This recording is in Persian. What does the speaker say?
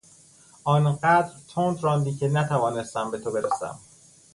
آنقدر تند راندی که نتوانستم به تو برسم.